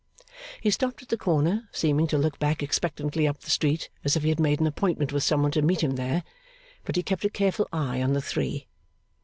He stopped at the corner, seeming to look back expectantly up the street as if he had made an appointment with some one to meet him there; but he kept a careful eye on the three.